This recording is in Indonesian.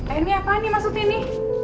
eh ini apaan nih maksud ini